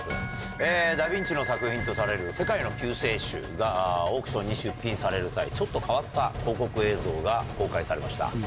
ダ・ヴィンチの作品とされる『世界の救世主』がオークションに出品される際ちょっと変わった広告映像が公開されました。